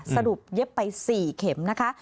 เย็บไป๔เข็มนะคะ